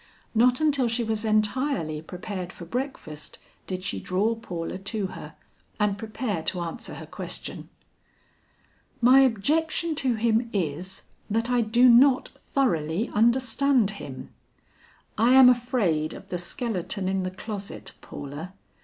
Not until she was entirely prepared for breakfast did she draw Paula to her, and prepare to answer her question. "My objection to him is, that I do not thoroughly understand him. I am afraid of the skeleton in the closet, Paula.